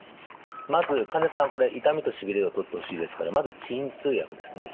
まず患者さん痛みとしびれを取ってほしいですからまず鎮痛薬ですね。